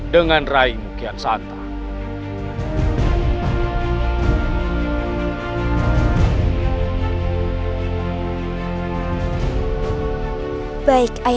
dengan rai mukiat santang